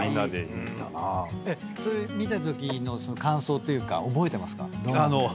それ見たときの感想というか覚えてますか？